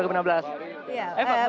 eva mau ingat